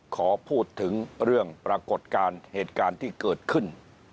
ขอพูดถึงเรื่องปรากฏการณ์เหตุการณ์ที่เกิดขึ้น